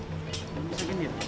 belum bisa genit